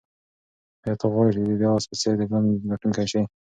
آیا ته غواړې چې د دې آس په څېر د ژوند ګټونکی شې؟